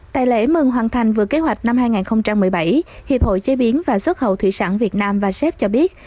tại lễ mừng hoàn thành vượt kế hoạch năm hai nghìn một mươi bảy hiệp hội chế biến và xuất khẩu thủy sản việt nam vasep cho biết